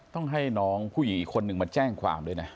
ต้องให้น้องผู้หญิงอีกคนนึงมาแจ้งความด้วยนะ